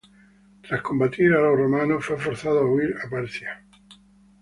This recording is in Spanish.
Tras combatir a los romanos fue forzado a huir a Partia.